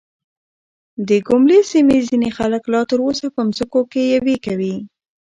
د ګوملې سيمې ځينې خلک لا تر اوسه په ځمکو کې يوې کوي .